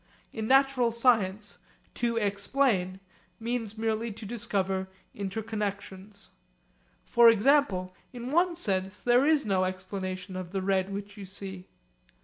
In natural science 'to explain' means merely to discover 'interconnexions.' For example, in one sense there is no explanation of the red which you see.